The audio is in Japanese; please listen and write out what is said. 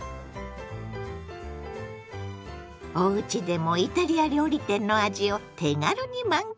おうちでもイタリア料理店の味を手軽に満喫！